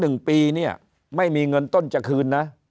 หนึ่งปีเนี่ยไม่มีเงินต้นจะคืนนะ